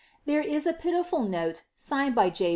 There is a piliful noK signed J.